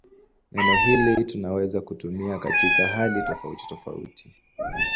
Neno hili tunaweza kutumia katika hali tofautitofauti.